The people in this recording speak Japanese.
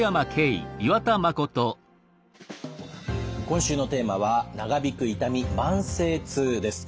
今週のテーマは「長引く痛み慢性痛」です。